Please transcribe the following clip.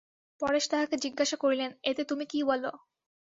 পরেশ তাহাকে জিজ্ঞাসা করিলেন, এতে তুমি কী বল?